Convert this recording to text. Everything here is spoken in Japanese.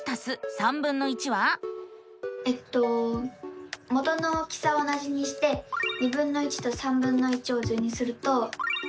えっと元の大きさは同じにしてとを図にすると。